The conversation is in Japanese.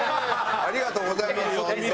ありがとうございます本当。